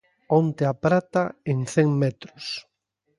Onte a prata en cen metros.